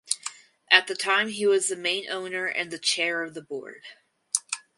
At the time he was the main owner and the chair of the board.